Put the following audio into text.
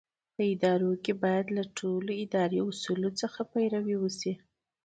په ادارو کې باید له ټولو اداري اصولو پیروي وشي.